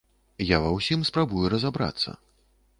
Я ва ўсім спрабую разабрацца.